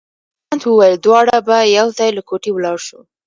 کانت وویل دواړه به یو ځای له کوټې ولاړ شو.